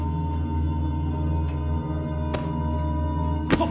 あっ。